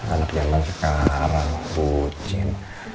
anak zaman sekarang kucing